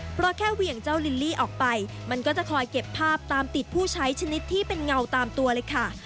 เพราะแค่เหวี่ยงเจ้าลิลลี่ออกไปมันก็จะคอยเก็บภาพตามติดผู้ใช้ชนิดที่เป็นเงาตามตัวเลยค่ะ